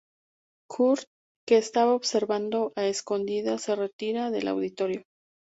Kurt, que estaba observando a escondidas, se retira del auditorio.